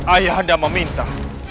ayah anda meminta